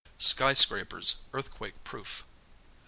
SKYSCRAPERS EARTHQUAKE PROOF.